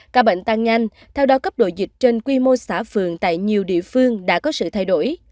ca bệnh tăng nhanh theo đó cấp độ dịch trên quy mô xã phường tại nhiều địa phương đã có sự thay đổi